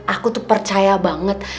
aku tuh percaya banget